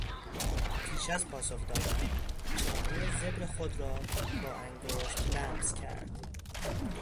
پیش از پاسخ دادن، چانهی زبر خود را با انگشت لمس کرد.